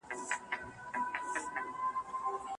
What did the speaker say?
قصاص د ژوند ډاډمنه لاره ده.